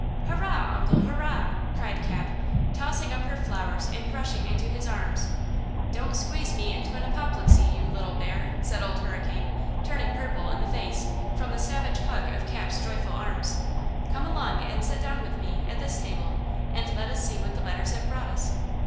"Hurrah, Uncle! Hurrah!" cried Cap, tossing up her flowers and rushing into his arms. "Don't squeeze me into an apoplexy, you little bear," said Old Hurricane, turning purple in the face, from the savage hug of Cap's joyful arms. "Come along and sit down with me, at this table, and let us see what the letters have brought us."